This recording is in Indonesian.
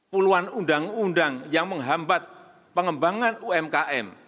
puluhan undang undang yang menghambat pengembangan umkm